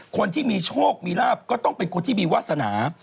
คนที่มีโชคมีลาบก็ต้องเป็นคนที่มีวาสนา